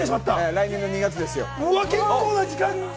来年２月ですよ。